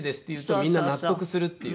みんな納得するっていう。